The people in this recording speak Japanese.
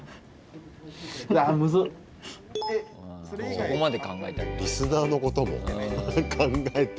そこまで考えて。